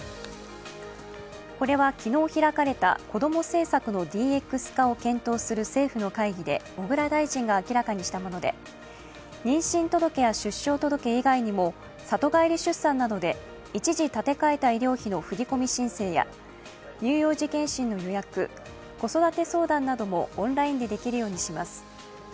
これは昨日開かれた、こども政策のＤＸ化を検討する政府の会議で小倉大臣が明らかにしたもので妊娠届や出生届以外にも里帰り出産などで一時立て替えた医療費の振り込み申請や乳幼児健診の予約、子育て相談などもオンラインでできるようにします。